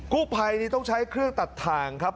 กู้ภัยนี้ต้องใช้เครื่องตัดทางครับ